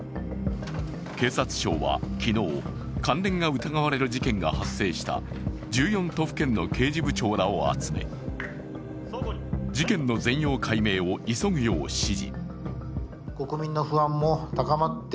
警察庁は昨日、関連が疑われる事件が発生した１４都府県の刑事部長らを集め事件の全容解明を急ぐよう指示。